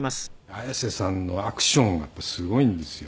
綾瀬さんのアクションがやっぱりすごいんですよ。